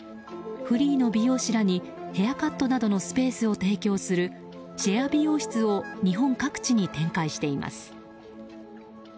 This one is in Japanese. フリーの美容師らにヘアカットなどのスペースを提供するシェア美容室を日本各地に展開しています。